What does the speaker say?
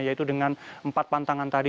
yaitu dengan empat pantangan tadi